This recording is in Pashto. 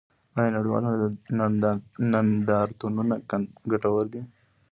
آیا نړیوال نندارتونونه ګټور دي؟